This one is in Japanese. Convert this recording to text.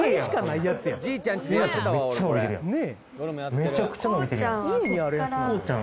めちゃくちゃ伸びてるやん・